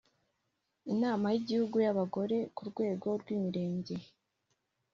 inama y Igihugu y Abagore ku rwego rw Imirenge